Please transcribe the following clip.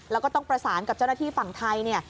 แล้วก็ต้องประสานกับจาระที่ฝั่งไทย